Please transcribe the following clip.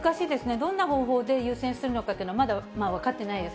どんな方法で優先するのかというのは、まだ分かってないです。